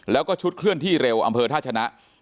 แล้วก็ชุดเคลื่อนที่เร็วอำเภอท่าชนะ